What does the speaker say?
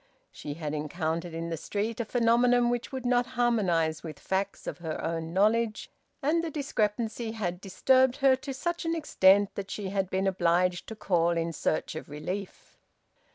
She had encountered in the street a phenomenon which would not harmonise with facts of her own knowledge, and the discrepancy had disturbed her to such an extent that she had been obliged to call in search of relief.